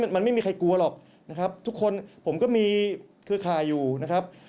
มันไม่มีใครกลัวหรอกนะครับทุกคนผมก็มีเครือข่ายอยู่นะครับ